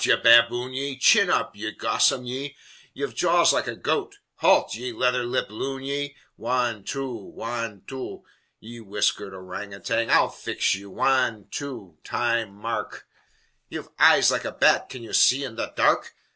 ye baboon, ye! Chin up! ye gossoon, ye! Ye've jaws like a goat Halt! ye leather lipped loon, ye! Wan two! Wan two! Ye whiskered orang outang, I'll fix you! Wan two! Time! Mark! Ye've eyes like a bat! can ye see in the dark?"